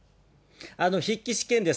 筆記試験です。